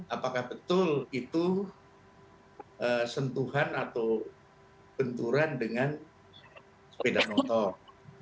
apakah betul itu sentuhan atau benturan dengan sepeda motor